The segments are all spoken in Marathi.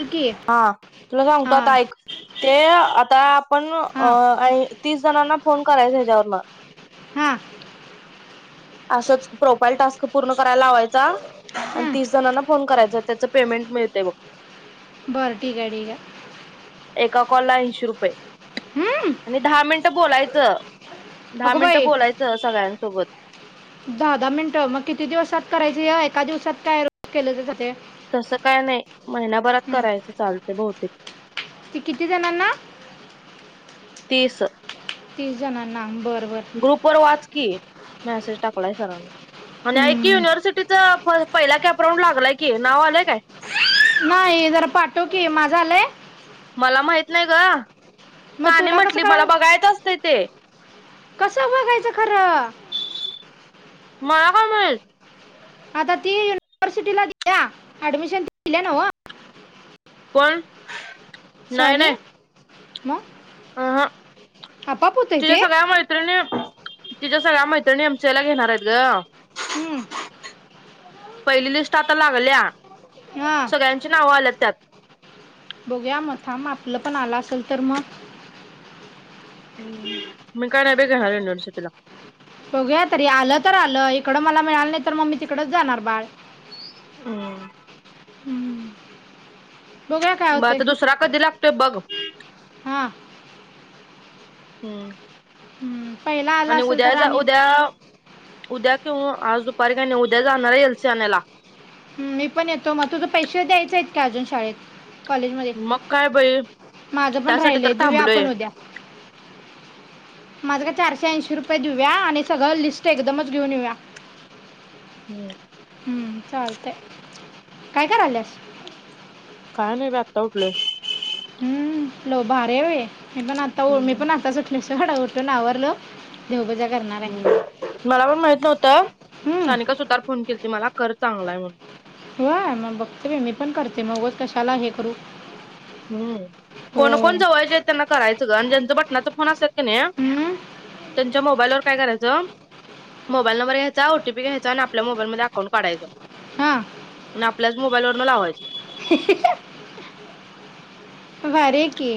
बोल की हा तुला सांगतो हां आता ऐक ते. ताप पण अ हां आई तीस जणांना फोन करायच ह्याच्यावर हा. असंच प्रोईल टास्क पूर्ण करायला लावायचा आणि हां तीस जणांना फोन करायचा त्याच पेमेंट मिळते बघ. बरं ठीक आहे ठीक आहे एका कॉलला ऐंशी रुपये हम्म. आणि दहा मिनट बोलायच [unintelligible] दहा अगं मिनटं बाई बोलायचं सगळ्यांना सोबत दहा दहा मिनट मग किती दिवसात करायचे हे एका दिवसात काय रोज केल तर चालतंय. तसं काय नाही महिनाभरात करायचं चालतंय बहुतेक ते किती जणांना? तीस. तीस जणांना बर. ग्रुप वर वाच की मॅसेज टाकला आहे सरांन आणि ऐक की हम्म. युनिव्हर्सिटीच पहिला कॅपराऊंड लागलाय की नाव आलंय काय नाही जरा पाठव की माझं आलय. मला माहित नाही ग. मग साने तुला कसं म्हटली कळ मला बघायच असतय ते. कसं बघायचं खरं. मला काय माहित. आता ती युनिव्हर्सिटीला दिल्या ऍडमिशन दिल्या नव. पण नाही सनी नाही. मग अह आपाप होतंय तिच्या ते सगळ्या मैत्रिणी तिच्या सगळ्या मैत्रिणी एमसीए ला घेणार आहेत गं हम्म पहिली लिस्ट आता लागल्या हां सगळ्यांची नाव आल्यात त्यात बघूया मग थांब आपलं पण आलं असल तर मग हम् मी काय नाही बय घेणार युनिव्हर्सिटीला बघूया तरी आलं तर आलं इकडं मला मिळालं नाही तर मग मी तिकडच जाणार बाळ हम्म बघूया काय म होतंय आता दुसरा कधी लागतोय बघ हां हम्म हम्म पहिला आला आणि असेल उद्या तर जा आणि उद्या उद्या किऊ आज दुपारी काही नाही उद्या जाणार हाय एल सी आणायला हम मी पण येतो मग तुझं पैश द्यायचय आहेत का अजून शाळेत कॉलेज मध्ये मग काय बाई माझ पण त्यासाठी तर राहिलंय दिवया थांबलोय आपण उद्या माझ का चारशे ऐंशी रुपये देऊया आणि सगळं लिस्ट एकदमच घेऊन येऊया हम्म हम्म चालतय काय करल्यास काय नाही ब आत्ता उठलोय हम्म लो भारी हाय बाय मी पण आता मी हम्म पण आताच उठलो डा उठून आवरलो देव बजा हम् मला पण माहित नव्हत हम्म, सानिका सुतार फोन केला ते मला कर चांगलाय म्हणून होय मग बघते मी पण करते मगच कशाला हे करू हम् कोण होय कोण जवायचे आहेत त्यांना करायचं ज बटनाचा फोन असल कणी हं? त्यांच्या मोबाईलवर काय करायच मोबाईल नंबर घ्यायचा ओटीपी घ्यायचा आणि आपल्या मोबाईल मधी अकाउंट काढायच हां आणि आपल्याच मोबाईल वरन लावायच ही ही भारीय की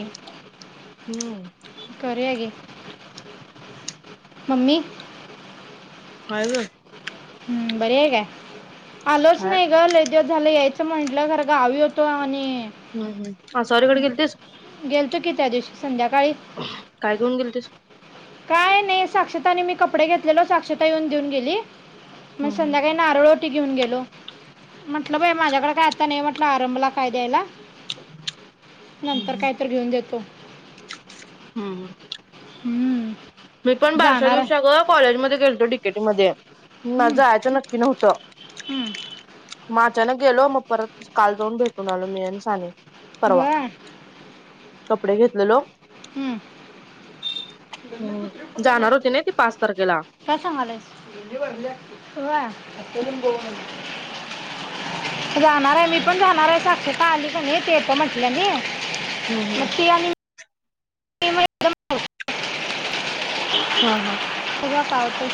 हम्म करूया घे मम्मी काय गं हम्म बरी आहे काय आलोच हाय. नाही ग दिवस झाला यायचं म्हंटलं खरं गावी होतं आणि हम्म हम्म [unintelligible] कि त्या दिसशी संध्याकाळी, काय घेऊन गेलतीस तु काय नाही साक्षताने मी कपडे घेतलेलो साक्षता येऊन देऊन गेली- मगं हम्म हम्म संध्याकाळी नारळ घेऊन गेलो म्हटलं बाया माझ्याकडे काय आत्ता नाही म्हटलं आरंभला काय द्यायला नंतर हम्म काय तर घेऊन देतो हम्म. हम्म. मी पण बारशा दिवसा अगं कॉलेजमध्ये तो डीकेटीमध्ये माझा हं, जायचं नक्की नव्हतं हं. अचानक गेलो मगं परत काल जाऊन भेटून आलो मी आणि सानी होय! कपडे घेतलेलो, हम्म. हो. जाणार होती ना ती पाच तारखेला. काय सांगायलास? जाणार आहे मी पण जाणार आहे साक्षता आली कनी ती पण येतो म्हटल्या नाही हम्म मगं हम्म ती आणि मी मग हा हा. बघुया काय होतंय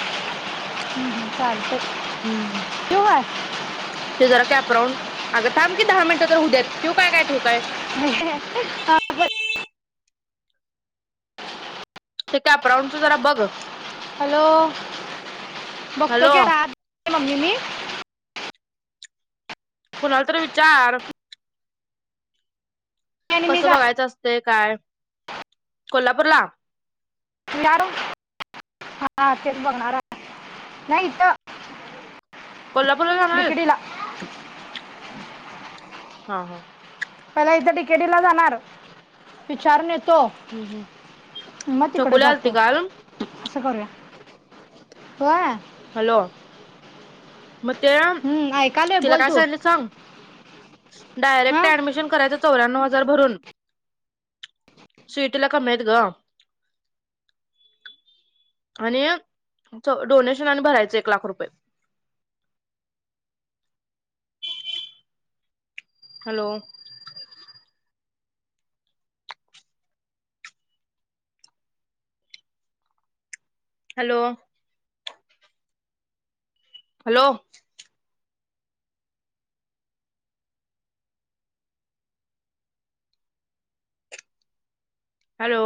चालतंय- हम्म ते जरा कॅप राऊंड अगं थांब की दहा मिनटं तर होऊदे ठेऊ काय ठेऊ हा. ते काय राऊंड च जरा बघं हॅलो बघतो हॅलो की आज ही मम्मीनी कुणाला तर विचार आणि मी कसं बघायचं असतय काय कोल्हापूर ला? जाणार [unintelligible] कोल्हापूरला जाणार डी के आहेस टी ला. [unintelligible] हा हा. पहिला इथे डी के टी ला जाणार विचारून येतो. हम्म हम् छकुली आलती काल असा करूया व्हय. हॅलो. मग ते हम्म, ऐकालोय तिला बोल काय तू सांगतलीत सांग डायरेक्ट हां ऍडमिशन करायचं चावऱ्यानाव हजार भरून सीईटी कमी आहेत ग. आणि डोनेशन आणि भरायच एक लाख रुपये हॅलो. हॅलो. हॅलो. हॅलो.